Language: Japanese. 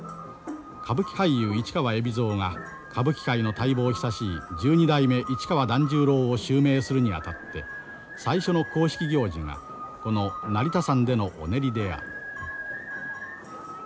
歌舞伎俳優市川海老蔵が歌舞伎界の待望久しい十二代目市川團十郎を襲名するにあたって最初の公式行事がこの成田山でのお練りである。